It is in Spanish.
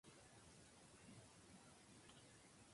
Es nativa del centro de Chile desde Valparaíso hasta Los Lagos.